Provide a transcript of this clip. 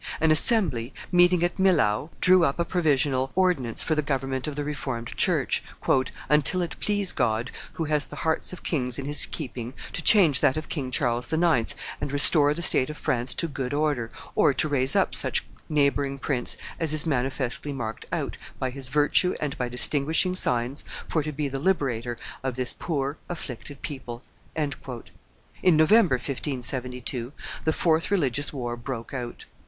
An assembly, meeting at Milhau, drew up a provisional ordinance for the government of the Reformed church, "until it please God, who has the hearts of kings in His keeping, to change that of King Charles IX. and restore the state of France to good order, or to raise up such neighboring prince as is manifestly marked out, by his virtue and by distinguishing signs, for to be the liberator of this poor afflicted people." In November, 1572, the fourth religious war broke out.